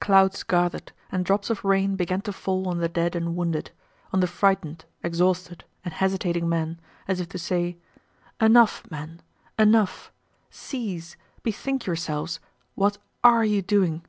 Clouds gathered and drops of rain began to fall on the dead and wounded, on the frightened, exhausted, and hesitating men, as if to say: "Enough, men! Enough! Cease... bethink yourselves! What are you doing?"